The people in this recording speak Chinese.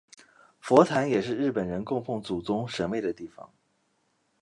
佛坛也是日本人供奉祖宗神位的地方。